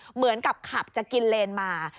เหมือนกับขับจะกินเลนมา